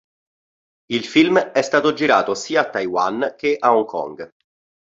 Il film è stato girato sia a Taiwan che a Hong Kong.